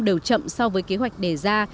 đều chậm so với kế hoạch đề ra